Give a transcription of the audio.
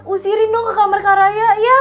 usirin dong ke kamar kak raya ya